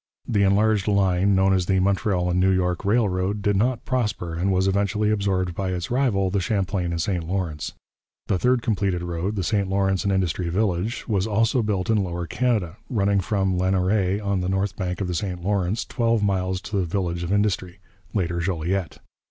The enlarged line, known as the Montreal and New York Railroad, did not prosper, and was eventually absorbed by its rival, the Champlain and St Lawrence. The third completed road, the St Lawrence and Industry Village, was also built in Lower Canada, running from Lanoraie on the north bank of the St Lawrence twelve miles to the village of Industry, later Joliette.